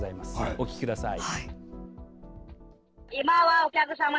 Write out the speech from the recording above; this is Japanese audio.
お聞きください。